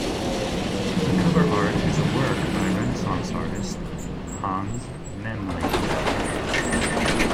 The cover art is a work by renaissance artist Hans Memling.